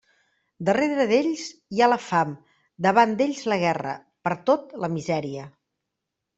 Darrere d'ells hi ha la fam, davant d'ells la guerra, pertot la misèria.